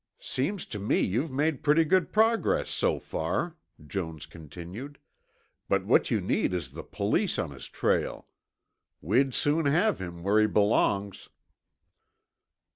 "Seems to me you've made pretty good progress so far," Jones continued, "but what you need is the police on his trail. We'd soon have him where he belongs."